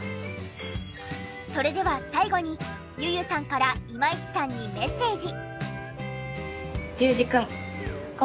それでは最後にｙｕ−ｙｕさんから今市さんにメッセージ。